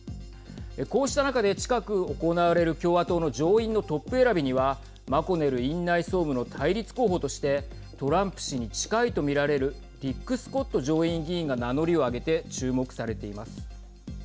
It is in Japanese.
こうした中で近く行われる共和党の上院のトップ選びにはマコネル院内総務の対立候補としてトランプ氏に近いと見られるリック・スコット上院議員が名乗りを上げて注目されています。